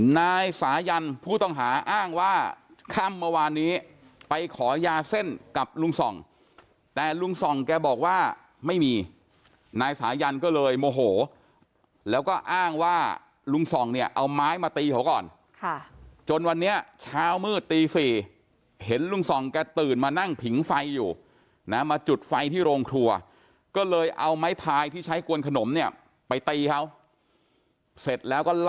นายสายันผู้ต้องหาอ้างว่าค่ำเมื่อวานนี้ไปขอยาเส้นกับลุงส่องแต่ลุงส่องแกบอกว่าไม่มีนายสายันก็เลยโมโหแล้วก็อ้างว่าลุงส่องเนี่ยเอาไม้มาตีเขาก่อนค่ะจนวันนี้เช้ามืดตี๔เห็นลุงส่องแกตื่นมานั่งผิงไฟอยู่นะมาจุดไฟที่โรงครัวก็เลยเอาไม้พายที่ใช้กวนขนมเนี่ยไปตีเขาเสร็จแล้วก็ล